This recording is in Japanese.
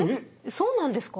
そうなんですか？